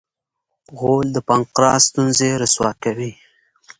غول د پانقراس ستونزې رسوا کوي.